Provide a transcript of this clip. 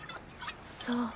そう。